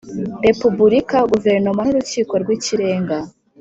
repubulika guverinoma n urukiko rw ikirenga